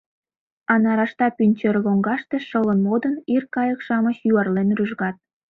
А нарашта пӱнчер лоҥгаште шылын-модын, Ир кайык-шамыч юарлен рӱжгат.